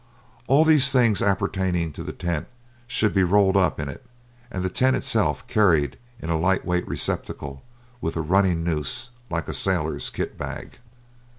All these things appertaining to the tent should be tolled up in it, and the tent itself carried in a light weight receptacle, with a running noose like a sailor's kit bag.